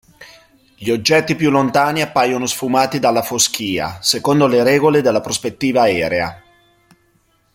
Gli oggetti più lontani appaiono sfumati dalla foschia, secondo le regole della prospettiva aerea.